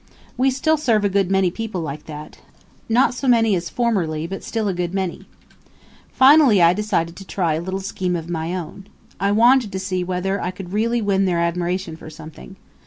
We still serve a good many people like that not so many as formerly, but still a good many. "Finally I decided to try a little scheme of my own. I wanted to see whether I could really win their admiration for something.